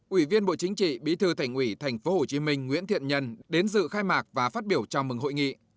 ủy viên bộ chính trị bí thư thành ủy tp hcm nguyễn thiện nhân đến dự khai mạc và phát biểu chào mừng hội nghị